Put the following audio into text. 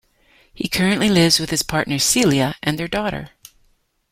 He currently lives with his partner Celia and their daughter.